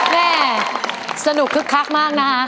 แม่สนุกคึกคักมากนะคะ